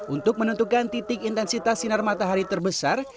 untuk menentukan titik intensitas sinar matahari terbesar